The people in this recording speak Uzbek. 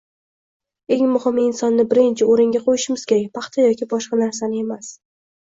Eng muhimi, insonni birinchi o‘ringa qo‘yishimiz kerak, paxta yoki boshqa narsani emas.